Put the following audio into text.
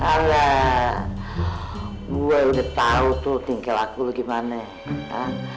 alah gue udah tahu tuh tingkel aku lu gimana